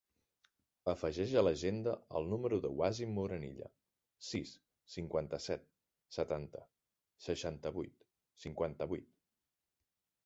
Afegeix a l'agenda el número del Wasim Morenilla: sis, cinquanta-set, setanta, seixanta-vuit, cinquanta-vuit.